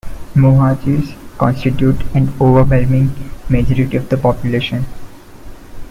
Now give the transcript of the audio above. Muhajirs constitute an overwhelming majority of the population.